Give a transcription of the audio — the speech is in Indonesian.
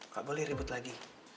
gak boleh ribet lagi